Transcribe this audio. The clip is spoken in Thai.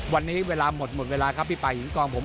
วันนี้เวลาหมดหมดเวลาครับพี่ป่าหญิงกองผม